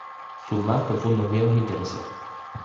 sus más profundos miedos e intereses